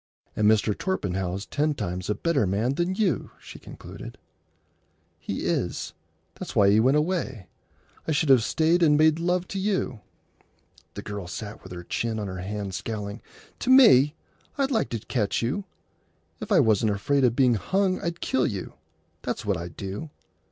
"And Mr. Torpenhow's ten times a better man than you," she concluded. "He is. That's why he went away. I should have stayed and made love to you." The girl sat with her chin on her hand, scowling. "To me! I'd like to catch you! If I wasn't afraid o' being hung I'd kill you. That's what I'd do.